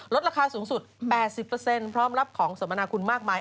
ราคาสูงสุด๘๐พร้อมรับของสมนาคุณมากมาย